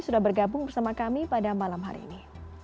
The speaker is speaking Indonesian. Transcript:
sudah bergabung bersama kami pada malam hari ini